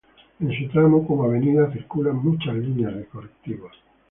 En su tramo como avenida circulan muchas líneas de colectivos.